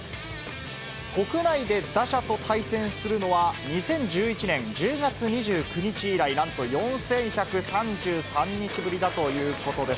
国内で打者と対戦するのは、２０１１年１０月２９日以来、なんと４１３３日ぶりだということです。